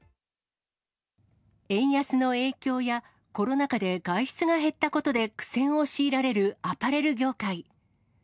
円安の影響や、コロナ禍で外出が減ったことで苦戦を強いられるアパレル業界。